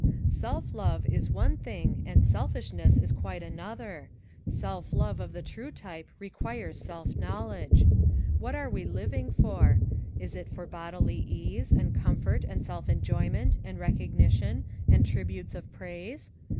"Self love is one thing and selfishness is quite another. Self love of the true type re quires self knowledge. What are we living for? Is it for bodily ease, and comfort and self enjoyment, and recognition, and tributes of praise?